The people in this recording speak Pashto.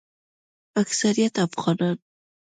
اکثریت افغانان